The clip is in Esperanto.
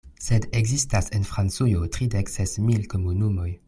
Sed ekzistas en Francujo tridekses mil komunumoj.